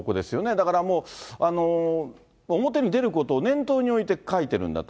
だからもう、表に出ることを念頭に置いて書いてるんだと。